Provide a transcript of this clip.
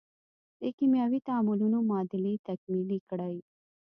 د کیمیاوي تعاملونو معادلې تکمیلې کړئ.